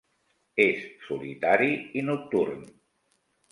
És solitari i nocturn.